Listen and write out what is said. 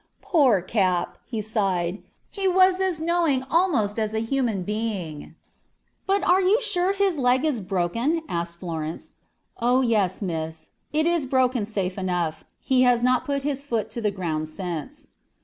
"'Poor Cap!' he sighed; 'he was as knowing almost as a human being.' "'But are you sure his leg is broken?' asked Florence. "'Oh, yes, miss, it is broken safe enough; he has not put his foot to the ground since.'